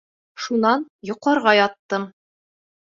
Шунан... йоҡларға яттым.